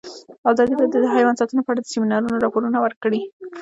ازادي راډیو د حیوان ساتنه په اړه د سیمینارونو راپورونه ورکړي.